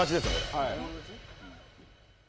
はい。